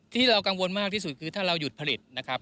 ที่เรากังวลมากที่สุดคือถ้าเราหยุดผลิตนะครับ